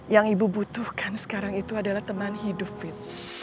yang ibu butuhkan sekarang itu adalah teman hidup fit